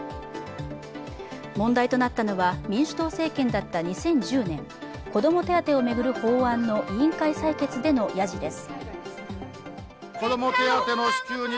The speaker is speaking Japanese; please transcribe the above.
問題となったのは民主党政権だった２０１０年、子ども手当を巡る法案の委員会採決でのやじです。